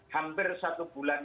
selama hampir satu bulan